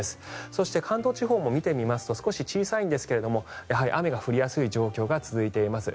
そして、関東地方も見てみますと少し小さいんですがやはり雨が降りやすい状況が続いています。